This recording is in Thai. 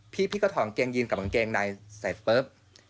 พี่ก็ถอดกางเกงยีนกับกางเกงในเสร็จปุ๊บ